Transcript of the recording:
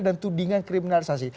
dan tudingan kriminalisasi